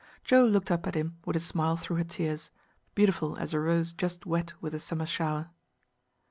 Joe looked up at him with a smile through her tears, beautiful as a rose just wet with a summer shower.